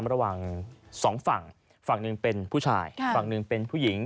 ระหว่างสองฝั่งฝั่งหนึ่งเป็นผู้ชายฝั่งหนึ่งเป็นผู้หญิง